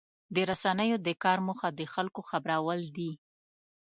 د رسنیو د کار موخه د خلکو خبرول دي.